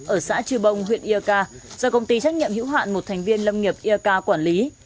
ở xã cư bông huyện ia ca do công ty trách nhiệm hữu hạn một thành viên lâm nghiệp ia ca quản lý